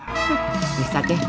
hah bisa teh